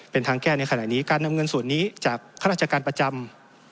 เป็นทางแก้ในขณะนี้การนำเงินส่วนนี้จากข้าราชการประจำ